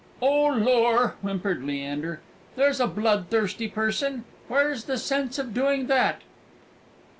"Oh, lor!" whimpered Leander, "here's a bloodthirsty person! Where's the sense of doing that?"